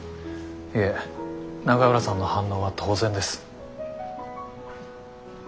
いえ永浦さんの反応は当然です。